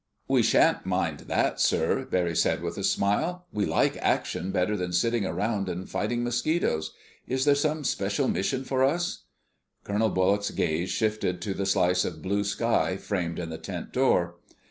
"We shan't mind that, sir," Barry said with a smile. "We like action better than sitting around and fighting mosquitoes. Is there some special mission for us?" Colonel Bullock's gaze shifted to the slice of blue sky framed in the tent door.